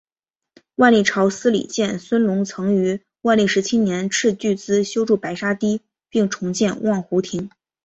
万历朝司礼监孙隆曾于万历十七年斥巨资修筑白沙堤并重建望湖亭。